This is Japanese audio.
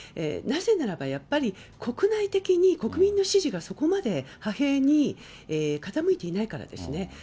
なぜならば、やっぱり国内的に、国民の支持がそこまで派兵に傾いていないからですね。